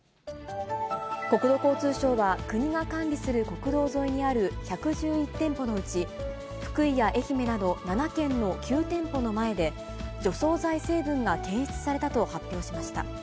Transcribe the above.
国土交通省は国が管理する国道沿いにある１１１店舗のうち福井や愛媛など７県の９店舗の前で、除草剤成分が検出されたと発表しました。